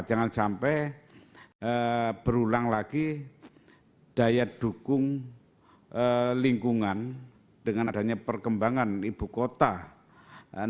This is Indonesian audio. jangan sampai berulang lagi daya dukung lingkungan dengan adanya perkembangan ibu kota